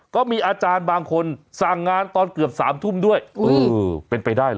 ก็มีอาจารย์บางคนสั่งงานตอนเกือบ๓ทุ่มด้วยเออเป็นไปได้เหรอ